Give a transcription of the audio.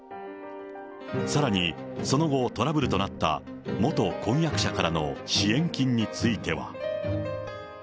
さらに、その後、トラブルとなった元婚約者からの支援金については。